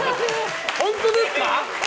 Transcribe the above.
本当ですか？